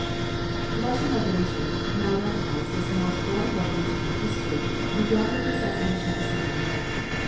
The Russian Revolution, now recognized as the most bloody revolution in history, began with the assassination of a single man.